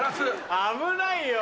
危ないよ。